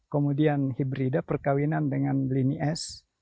kemudian hibrida perkawinan dengan lini s